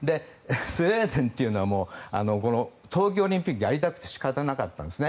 スウェーデンというのは冬季オリンピックやりたくて仕方なかったんですね。